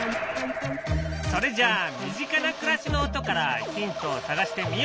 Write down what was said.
それじゃあ身近な暮らしの音からヒントを探してみよう！